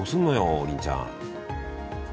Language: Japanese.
王林ちゃん。